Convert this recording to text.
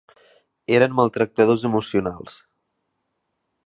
Eren maltractadors emocionals.